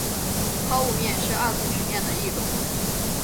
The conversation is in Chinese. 抛物面是二次曲面的一种。